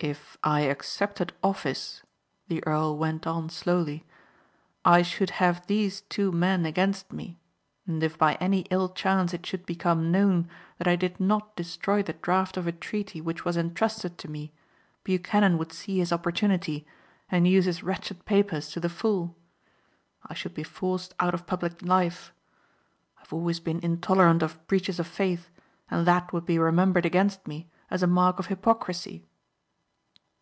"If I accepted office," the earl went on slowly, "I should have these two men against me. And if by any ill chance it should become known that I did not destroy the draft of a treaty which was entrusted to me Buchanan would see his opportunity and use his wretched papers to the full. I should be forced out of public life. I have always been intolerant of breaches of faith and that would be remembered against me as a mark of hypocrisy."